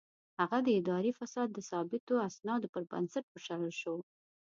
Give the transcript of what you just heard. هغه د اداري فساد د ثابتو اسنادو پر بنسټ وشړل شو.